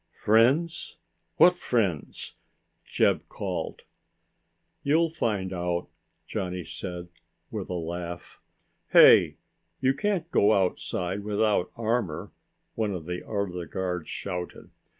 "Friends! What friends?" Jeb called. "You'll find out," Johnny said, with a laugh. "Hey, you can't go outside without armor," one of the other guards shouted.